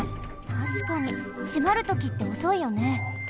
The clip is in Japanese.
たしかに閉まるときっておそいよね。